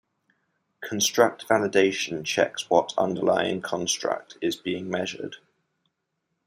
Construct validation checks what underlying construct is being measured.